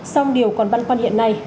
xong điều còn băn quan hiện nay